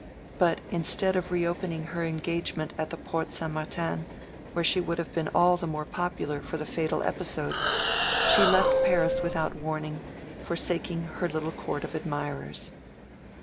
But instead of reopening her engagement at the Porte Saint Martin, where she would have been all the more popular for the fatal episode, she left Paris without warning, forsaking her little court of admirers.